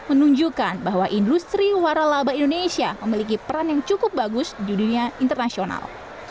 menunjukkan bahwa industri waralaba indonesia memiliki peran yang cukup bagus di dunia internasional